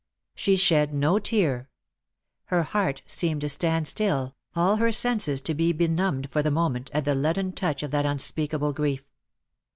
She shed no tear. Her heart seemed to stand still, all her senses to be benumbed for the moment, at the leaden touch of that unspeakable grief.